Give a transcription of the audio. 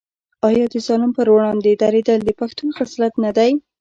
آیا د ظالم پر وړاندې دریدل د پښتون خصلت نه دی؟